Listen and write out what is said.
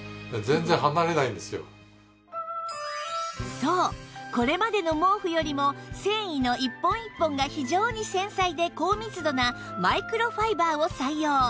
そうこれまでの毛布よりも繊維の一本一本が非常に繊細で高密度なマイクロファイバーを採用